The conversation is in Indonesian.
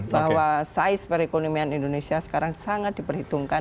bahwa size perekonomian indonesia sekarang sangat diperhitungkan